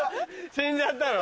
死んじゃったの？